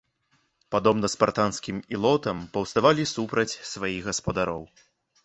Падобна спартанскім ілотам, паўставалі супраць сваіх гаспадароў.